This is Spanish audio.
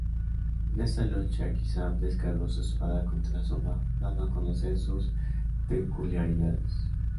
En esta lucha, Kisame descargó su espada contra Asuma, dando a conocer sus peculiaridades.